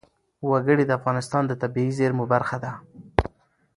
وګړي د افغانستان د طبیعي زیرمو برخه ده.